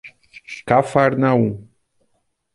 Cafarnaum